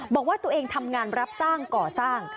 บอกว่าตัวเองทำงานรับจ้างก่อสร้าง